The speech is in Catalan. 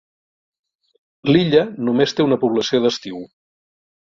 L'illa només té una població d'estiu.